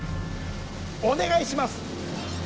お願いします！